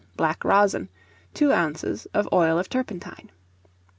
black rosin, 2 oz. of oil of turpentine.